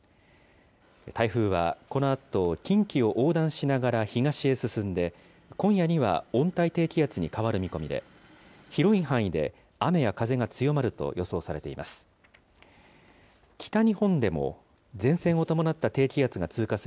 台風はこのあと近畿を横断しながら東へ進んで、今夜には温帯低気圧に変わる見込みで、広い範囲で雨や風が強まると予想されています。